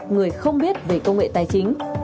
người không biết về công nghệ tài chính